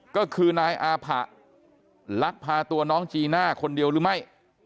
ก็คือนายอาผะลักพาตัวน้องจีน่าคนเดียวหรือไม่